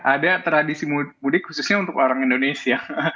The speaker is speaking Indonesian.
ada tradisi mudik khususnya untuk orang indonesia